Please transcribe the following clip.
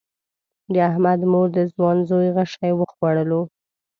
د احمد مور د ځوان زوی غشی وخوړلو.